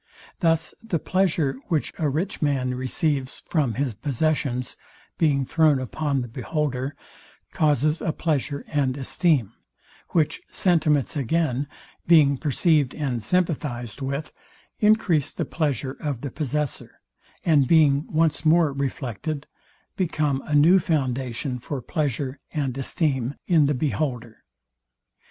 Thus the pleasure, which a rich man receives from his possessions, being thrown upon the beholder, causes a pleasure and esteem; which sentiments again, being perceived and sympathized with, encrease the pleasure of the possessor; and being once more reflected, become a new foundation for pleasure and esteem in the beholder.